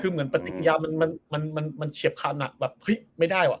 คือเหมือนปฏิกิริยามันมันมันมันมันเฉียบข้างหนักแบบเฮ้ยไม่ได้ว่ะ